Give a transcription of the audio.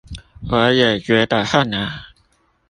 我也覺得恨啊